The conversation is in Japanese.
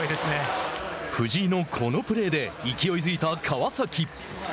藤井のこのプレーで勢いづいた川崎。